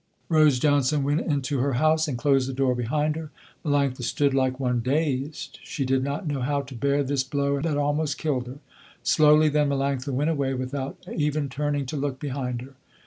Rose Johnson went into her house and closed the door behind her. Melanctha stood like one dazed, she did not know how to bear this blow that almost killed her. Slowly then Melanctha went away without even turning to look behind her.